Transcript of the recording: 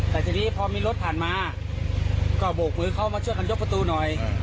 แต่ทีนี้พอมีรถผ่านมาก็โบกมือเขามาช่วยกันยกประตูหน่อย